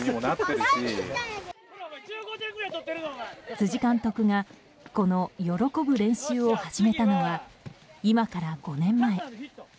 辻監督が、この喜ぶ練習を始めたのは今から５年前。